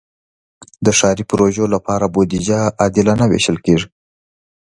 د ښاري پروژو لپاره بودیجه عادلانه ویشل کېږي.